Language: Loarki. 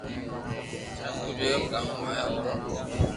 چاڪو جويو ڪاو ھوئي او رو